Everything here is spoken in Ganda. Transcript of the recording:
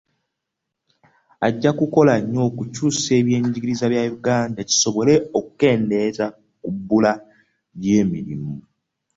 Ajja kukola nnyo okukyusa ebyenjigiriza bya Uganda, kisobole okukendeeza ku bbula ly'emirimu.